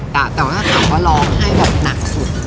แต่ว่าถ้าถามว่าร้องไห้แบบหนักสุด